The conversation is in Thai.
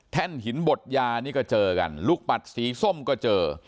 หินบดยานี่ก็เจอกันลูกปัดสีส้มก็เจอ